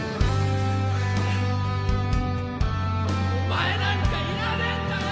お前なんかいらねえんだよ！